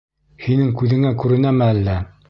— Һинең күҙеңә күренәме әллә?